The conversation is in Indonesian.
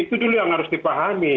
itu dulu yang harus dipahami